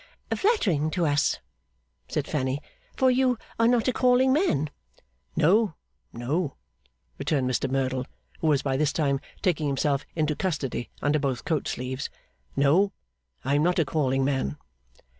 'Flattering to us,' said Fanny, 'for you are not a calling man.' 'No no,' returned Mr Merdle, who was by this time taking himself into custody under both coat sleeves. 'No, I am not a calling man.